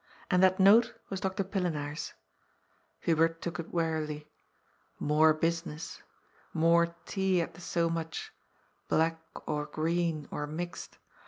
And that note was Dr. Pillenaar's. Hubert took it wearily. More business. More tea at so much. Black or green or mixed.